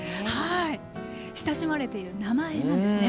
親しまれている名前なんですね。